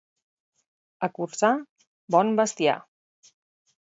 A Corçà, bon bestiar.